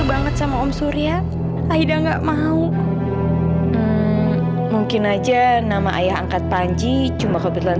banget sama om surya aida enggak mau mungkin aja nama ayah angkat panji cuma kebetulan